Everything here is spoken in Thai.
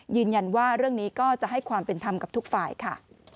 ยืนยันว่าเรื่องนี้ก็จะให้ความเป็นธรรมกับทุกฝ่ายค่ะ